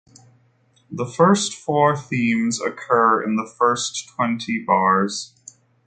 The first four themes occur in the first twenty bars.